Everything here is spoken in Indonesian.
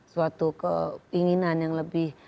suatu keinginan yang lebih